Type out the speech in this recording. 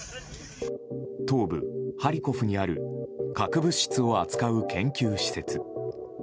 東部ハリコフにある核物質を扱う研究施設。